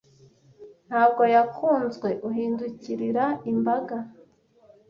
Ntabwo yakunzwe, uhindukirira imbaga